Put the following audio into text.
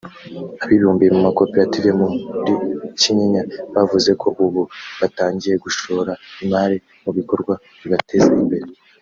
Abibumbiye mu makoperative muri Kinyinya bavuze ko ubu batangiye gushora imari mu bikorwa bibateza imbere